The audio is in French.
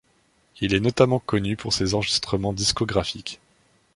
Il est notamment connu pour ses enregistrements discographiques.